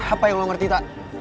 apa yang lo ngerti tak